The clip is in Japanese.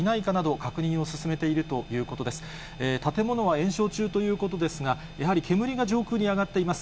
建物は延焼中ということですが、やはり煙が上空に上がっています。